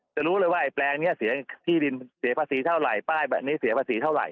จะรู้เลยว่าไอแปลงนี้เสียที่ดินเสียภาษีเท่าไหร่ป้ายแบบนี้เสียภาษีเท่าไห